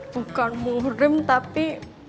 bukan muhrim tapi